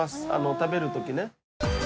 食べる時ね。